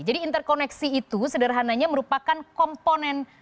jadi interkoneksi itu sederhananya merupakan komponen